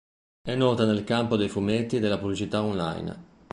È nota nel campo dei fumetti e della pubblicità online.